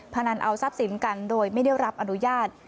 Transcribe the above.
พนันเอาทรัพย์สินกันโดยไม่ได้รับอนุญาต